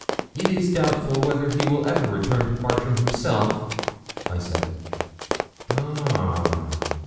'It is doubtful whether he will ever return to Bartram himself,' I said. 'Ah!'